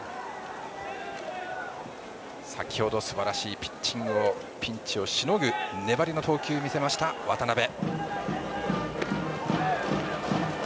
先程すばらしいピッチングピンチをしのぐ粘りの投球を見せました、渡邉。